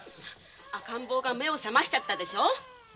赤ん坊が目を覚ましちゃったでしょ！